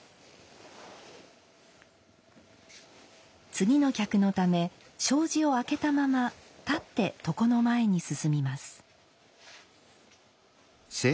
次の客のため障子を開けたまま立って床の前に進みます。